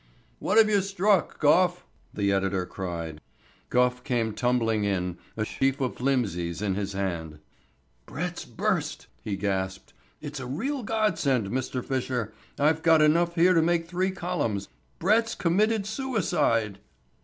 "What have you struck, Gough?" the editor cried. Gough came tumbling in, a sheaf of flimsies in his hand. "Brett's burst," he gasped. "It's a real godsend, Mr. Fisher. I've got enough here to make three columns. Brett's committed suicide."